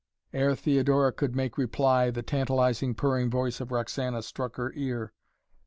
Ere Theodora could make reply the tantalizing purring voice of Roxana struck her ear.